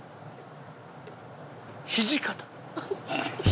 土方。